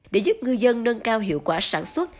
để giúp ngư dân nâng cao hiệu quả sản xuất